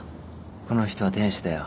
この人は天使だよ。